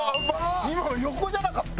今の横じゃなかった？